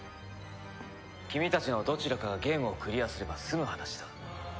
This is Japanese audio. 君たちのどちらかがゲームをクリアすれば済む話だ。